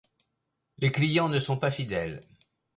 Les clients ne sont pas fidèles.